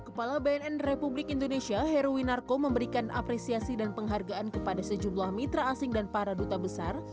kepala bnn republik indonesia heruwinarko memberikan apresiasi dan penghargaan kepada sejumlah mitra asing dan para duta besar